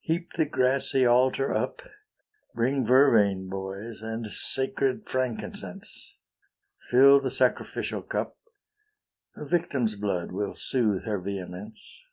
Heap the grassy altar up, Bring vervain, boys, and sacred frankincense; Fill the sacrificial cup; A victim's blood will soothe her vehemence.